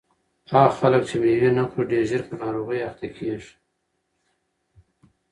هغه خلک چې مېوې نه خوري ډېر ژر په ناروغیو اخته کیږي.